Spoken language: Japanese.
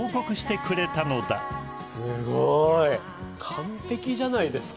完璧じゃないですか。